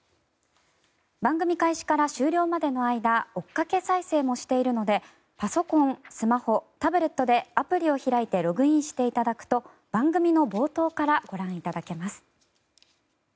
番組開始から終了までの間追っかけ再生もしているのでパソコン、スマホ、タブレットでアプリを開いてログインしていただくと番組の冒頭からご覧いただけます。